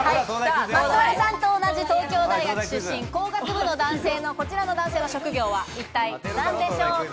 松丸さんと同じ東京大学出身、工学部のこちらの男性の職業は一体何でしょうか？